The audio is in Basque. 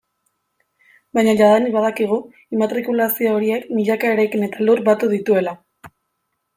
Baina jadanik badakigu immatrikulazio horiek milaka eraikin eta lur batu dituela.